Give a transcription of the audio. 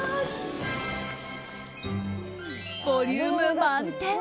ボリューム満点